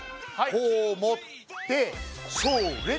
こう持ってそれ！